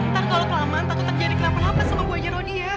ntar kalau kelamaan takut jadi kelapa lapas sama bu haji ya